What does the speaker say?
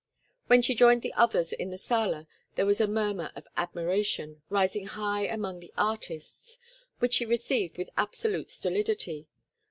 When she joined the others in the sala there was a murmur of admiration, rising high among the artists, which she received with absolute stolidity.